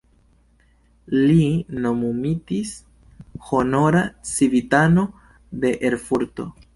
Li nomumitis honora civitano de Erfurto.